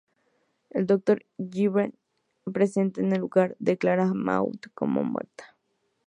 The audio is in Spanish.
El Dr. Hibbert, presente en el lugar, declara a Maude como muerta.